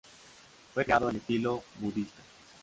Fue creado en estilo budista.